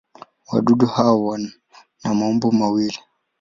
Wadudu hawa wana maumbo mawili.